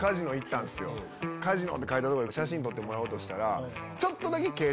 「カジノ」って書いてある所で写真撮ってもらおうとしたら。